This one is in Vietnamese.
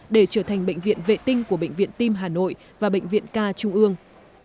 để trở thành bệnh viện vệ tinh của bệnh viện tim hà nội và bệnh viện ca trung ương